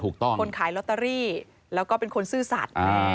คนขายลอตเตอรี่แล้วก็เป็นคนซื่อสัตว์